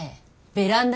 ベランダ。